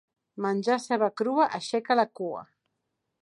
Menjar ceba crua aixeca la cua.